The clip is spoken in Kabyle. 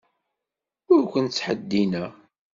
Ur ken-ttheddineɣ.